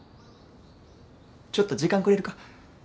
ちょっと時間くれるか。